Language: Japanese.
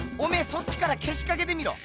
そっちからけしかけてみろ。